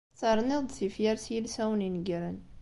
Terniḍ-d tifyar s yilsawen inegren.